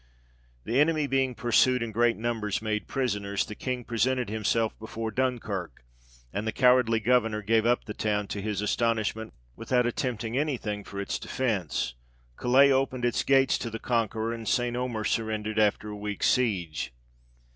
The enemy being pursued, and great numbers made prisoners, the King presented himself before Dunkirk, and the cowardly Governor gave up the town, to his astonishment, without attempting any thing for its defence. Calais opened its gates to the conqueror, and St. Omer surrendered after a week's siege.